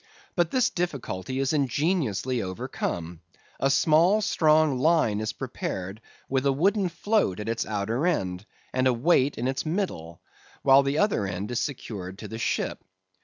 But this difficulty is ingeniously overcome: a small, strong line is prepared with a wooden float at its outer end, and a weight in its middle, while the other end is secured to the ship.